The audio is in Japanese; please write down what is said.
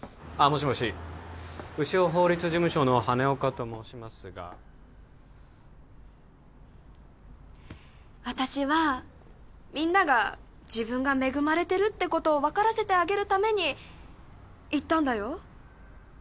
もしもし潮法律事務所の羽根岡と申しますが私はみんなが自分が恵まれてるってことを分からせてあげるために言ったんだよ